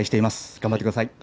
頑張ってください。